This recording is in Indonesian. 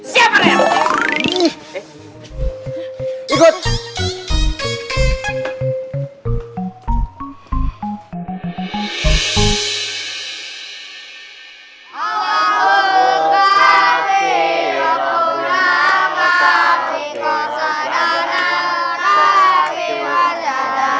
siap pak raya